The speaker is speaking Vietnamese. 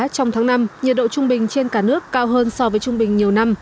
trong tháng năm nhiệt độ trung bình trên cả nước cao hơn so với trung bình nhiều năm